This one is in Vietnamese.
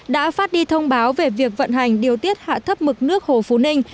đã phát đi thông báo về việc vận hành điều tiết hạ thấp mực nước hồ phú ninh